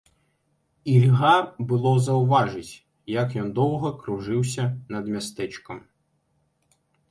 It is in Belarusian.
І льга было заўважыць, як ён доўга кружыўся над мястэчкам.